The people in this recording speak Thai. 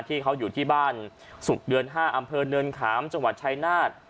ที่เขาอยู่ที่บ้านศุกร์เดือน๕อำเภอเนินขามจังหวัดชายนาฏ